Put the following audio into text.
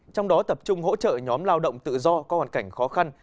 trong đó tập trung hỗ trợ nhóm lao động tự do có hoàn cảnh khó khăn